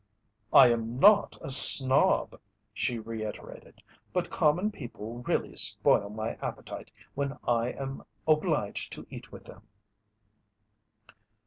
"I am not a snob," she reiterated, "but common people really spoil my appetite when I am obliged to eat with them."